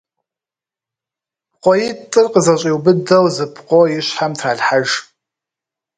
ПкъоитӀыр къызэщӀиубыдэу зы пкъо и щхьэм тралъхьэж.